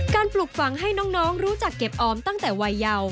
ปลูกฝังให้น้องรู้จักเก็บออมตั้งแต่วัยเยาว์